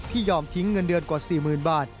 ยอมทิ้งเงินเดือนกว่า๔๐๐๐บาท